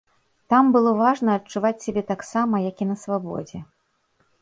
Там было важна адчуваць сябе таксама, як і на свабодзе.